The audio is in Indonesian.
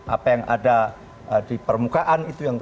apa yang ada di permukaan itu yang